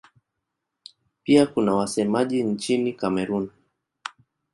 Pia kuna wasemaji nchini Kamerun.